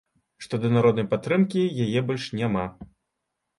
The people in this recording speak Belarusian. Што да народнай падтрымкі, яе больш няма.